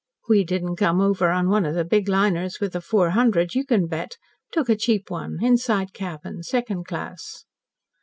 We didn't come over on one of the big liners with the Four Hundred, you can bet. Took a cheap one, inside cabin, second class."